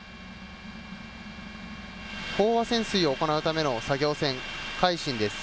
飽和潜水を行うための作業船、海進です。